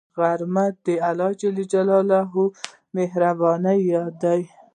غرمه د الله مهربانۍ یاد ده